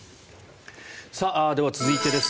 では、続いてです。